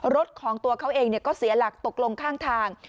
รถของตัวเขาเองก็เสียหลักตกลงข้างทาง